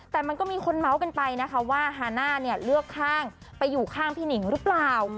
แต่มันก็มีคนเมาส์กันไปนะคะว่าฮาน่าเนี่ยเลือกข้างไปอยู่ข้างพี่หนิงหรือเปล่า